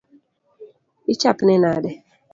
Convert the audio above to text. Ichapni nade?